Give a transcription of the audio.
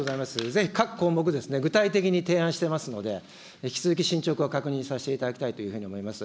ぜひ各項目、具体的に提案してますので、引き続き進ちょくは確認させていただきたいというふうに思います。